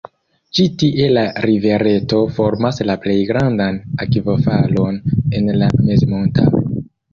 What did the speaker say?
Ĉi-tie la rivereto formas la plej grandan akvofalon en la mezmontaro.